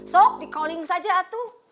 sok di calling saja atu